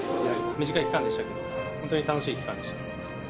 短い期間でしたけど、本当に楽しい期間でした。